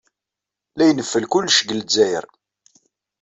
La ineffel kullec deg Lezzayer.